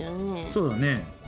そうだね。